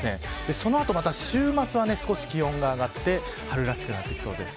その後また週末は少し気温が上がって春らしくなってきそうです。